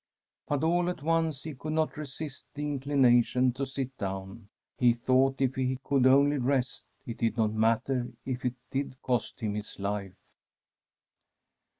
But all at once he could not resist the inclination to sit down. He thought if ho could only rest, it did not matter if it did cost him his life.